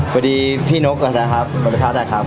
บะดีพี่นกครับครับกระตะครับ